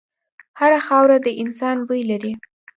هره خاوره د انسان بوی لري.